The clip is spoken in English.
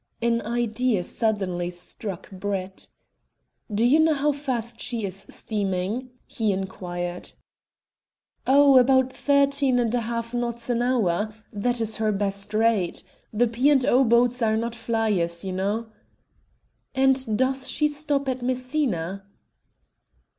An idea suddenly struck Brett. "Do you know how fast she is steaming?" he inquired. "Oh, about thirteen and a half knots an hour. That is her best rate. The P. and O. boats are not flyers, you know." "And does she stop at Messina?"